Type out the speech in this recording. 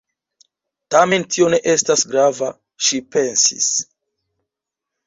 "Tamen tio ne esta grava," ŝi pensis.